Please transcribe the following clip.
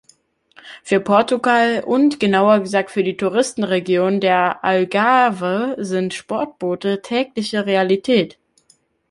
Für Portugal und genauer gesagt für die Touristenregion der Algarve sind Sportboote tägliche Realität.